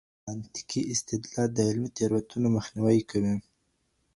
منطقي استدلال د علمي تېروتنو مخنيوی کوي.